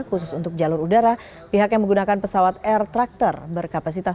khusus untuk jalur udara pihak yang menggunakan pesawat air tractor berkapasitas